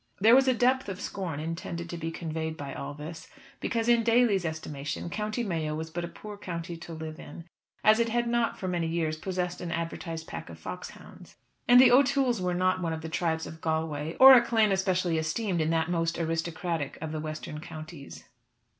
There was a depth of scorn intended to be conveyed by all this, because in Daly's estimation County Mayo was but a poor county to live in, as it had not for many a year possessed an advertised pack of fox hounds. And the O'Tooles were not one of the tribes of Galway, or a clan especially esteemed in that most aristocratic of the western counties.